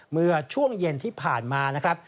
เมื่อช่วงเย็นที่ผ่านมานะครับ